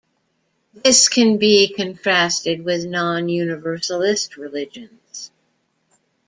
This can be contrasted with non-universalist religions.